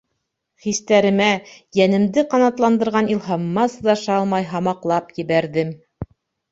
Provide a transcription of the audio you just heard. Хистәремә, йәнемде ҡанатландырған илһамыма сыҙаша алмай һамаҡлап ебәрҙем: